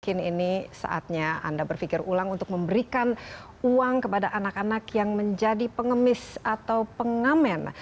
mungkin ini saatnya anda berpikir ulang untuk memberikan uang kepada anak anak yang menjadi pengemis atau pengamen